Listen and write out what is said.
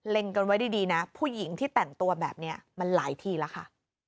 กันไว้ดีนะผู้หญิงที่แต่งตัวแบบนี้มันหลายทีแล้วค่ะ